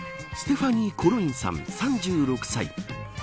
ステファニー・コロインさん３６歳。